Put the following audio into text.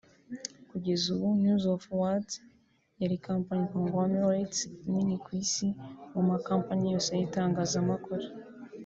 Kugeza ubu News of the World yari kompanyi (Conglomerate) nini ku isi mu makompanyi yose y’itangazamakuru